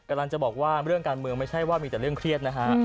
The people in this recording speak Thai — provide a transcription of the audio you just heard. กำลังจะบอกว่าเรื่องการเมืองไม่ใช่ว่ามีแต่เรื่องเครียดนะฮะ